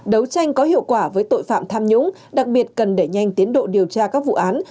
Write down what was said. đấu tranh có hiệu quả với tội phạm tham nhũng đặc biệt cần đẩy nhanh tiến độ điều tra các vụ án